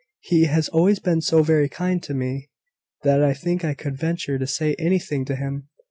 He has always been so very kind to me, that I think I could venture to say anything to him.